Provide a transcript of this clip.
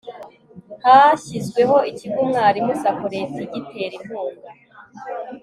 hashyizweho ikigo umwalimu-sacco leta igitera inkunga